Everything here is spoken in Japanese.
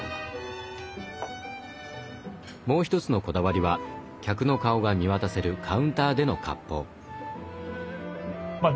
もうひとつのこだわりは客の顔が見渡せるカウンターでの割烹。